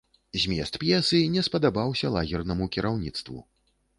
Змест п'есы не спадабаўся лагернаму кіраўніцтву.